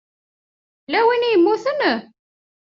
Yella win i yemmuten?